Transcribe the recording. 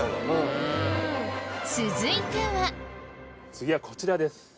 次はこちらです。